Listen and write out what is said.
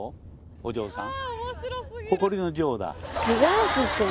お嬢さん？